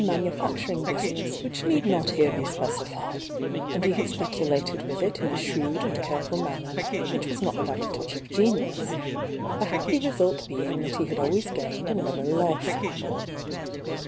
maJiufacturing business which need i^VZl ^ ^'^^i a"d he had speculated with it ma shrewd and careful manner which was not with out a touch of genius, the happy result being that he had always gamed and never lost.